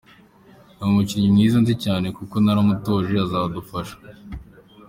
Ni umukinnyi mwiza nzi cyane kuko naranamutoje azadufasha.